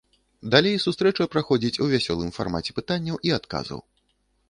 Далей сустрэча праходзіць у вясёлым фармаце пытанняў і адказаў.